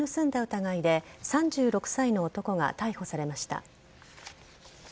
疑いで３６歳の男が逮捕されました。